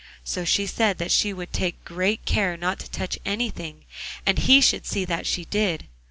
So she said that she would take great care not to touch anything, and he should see that she did.